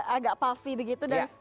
agak pavi begitu dan